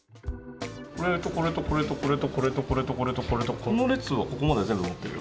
これとこれとこれとこれとこれとこれとこれとこれとこの列はここまで全部持ってるよ。